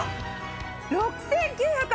６９８０円！